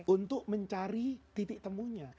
untuk mencari titik temunya